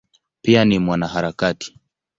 Pia ni mwanaharakati.